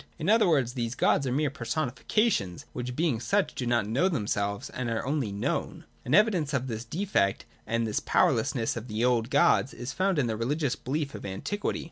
In other words, these gods are mere personifications, which, being such, do not know themselves, and are only known. 147, 148.] THE CONSOLATIONS OF NECESSITY. 271 An evidence of this defect and this powerlessness of the old gods is found even in the religious beliefs of antiquity.